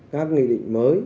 các nghị định mới